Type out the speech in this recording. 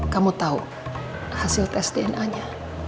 kamu tahu hasil tes dna nya